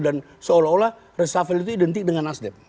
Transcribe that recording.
dan seolah olah reshuffle itu identik dengan nasdem